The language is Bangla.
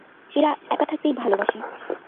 এরা একা থাকতেই ভালবাসে।